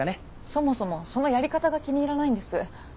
そもそもそのやり方が気に入らないんです。